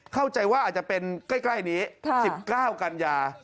เข้าใจว่าอาจจะเป็นใกล้นี้๑๙กันยา